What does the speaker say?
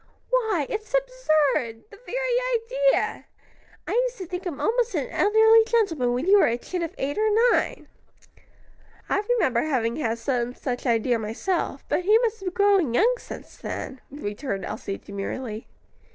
Why, it's absurd! the very idea! I used to think him almost an elderly gentleman when you were a chit of eight or nine." "I remember having had some such idea myself; but he must have been growing young since then," returned Elsie, demurely.